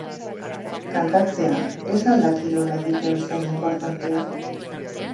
Kantatzea ez al da kirola egitea bezain inportantea?